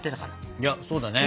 いやそうだね。